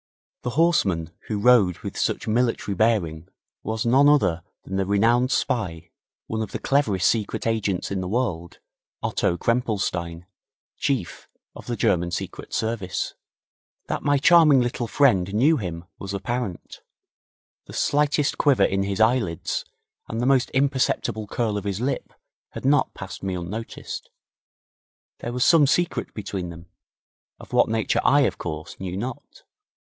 The horseman who rode with such military bearing was none other than the renowned spy, one of the cleverest secret agents in the world, Otto Krempelstein, Chief of the German Secret Service. That my charming little friend knew him was apparent. The slightest quiver in his eyelids and the almost imperceptible curl of his lip had not passed me unnoticed. There was some secret between them, of what nature I, of course, knew not.